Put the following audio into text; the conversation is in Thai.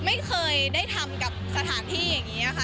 ไม่เคยได้ทำกับสถานที่อย่างนี้ค่ะ